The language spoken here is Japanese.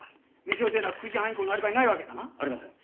店を出た９時半以降のアリバイないわけだな？ありません。